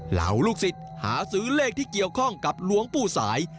เหล่าลูกศิษย์หาซื้อเลขที่เกี่ยวข้องกับหลวงปู่สาย